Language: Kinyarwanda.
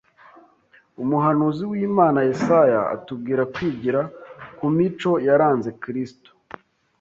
Umuhanuzi w’Imana Yesaya atubwira kwigira ku mico yaranze Kristo